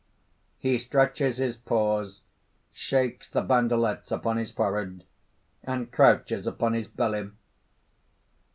He stretches his paws, shakes the bandelets upon his forehead, and crouches upon his belly.